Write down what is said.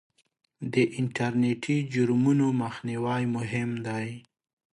د انټرنېټي جرمونو مخنیوی مهم دی.